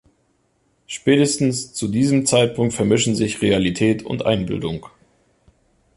Spätestens zu diesem Zeitpunkt vermischen sich Realität und Einbildung.